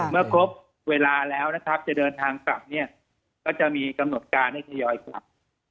เมื่อครบเวลาแล้วนะครับจะเดินทางกลับเนี่ยก็จะมีกำหนดการให้ทยอยกลับ